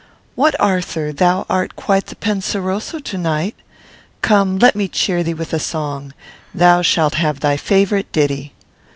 "What, Arthur! thou art quite the 'penseroso' to night. Come, let me cheer thee with a song. Thou shalt have thy favourite ditty."